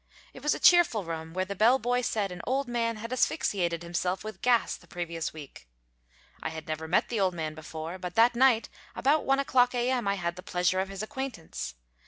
It was a cheerful room, where the bell boy said an old man had asphyxiated himself with gas the previous week. I had never met the old man before, but that night, about 1 o'clock A.M., I had the pleasure of his acquaintance.